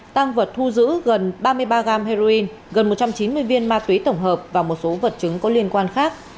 tăng vật thu giữ gần ba mươi ba gam heroin gần một trăm chín mươi viên ma túy tổng hợp và một số vật chứng có liên quan khác